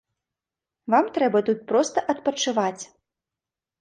Вам трэба тут проста адпачываць!